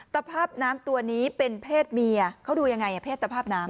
ภาพน้ำตัวนี้เป็นเพศเมียเขาดูยังไงเพศสภาพน้ำ